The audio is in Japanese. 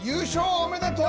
おめでとう！